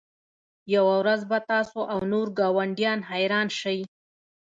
یوه ورځ به تاسو او نور ګاونډیان حیران شئ